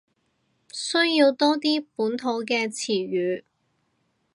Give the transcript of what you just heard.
需要多啲本土嘅詞語